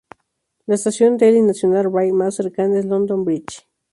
La estación del y National Rail más cercana es London Bridge.